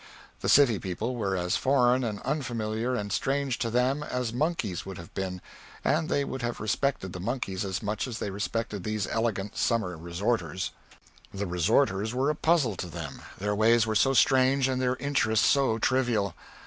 The city people were as foreign and unfamiliar and strange to them as monkeys would have been, and they would have respected the monkeys as much as they respected these elegant summer resorters. The resorters were a puzzle to them, their ways were so strange and their interests so trivial.